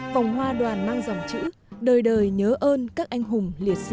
vòng hoa đoàn mang dòng chữ đời đời nhớ ơn các anh hùng liệt sĩ